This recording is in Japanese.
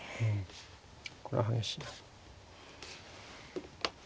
これは激しいな。